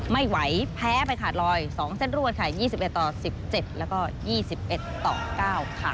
ไม่ไหวแพ้ไปขาดลอย๒เส้นรวดค่ะ๒๑ต่อ๑๗แล้วก็๒๑ต่อ๙ค่ะ